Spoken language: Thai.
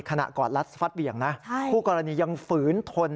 กอดรัดฟัดเหวี่ยงนะคู่กรณียังฝืนทน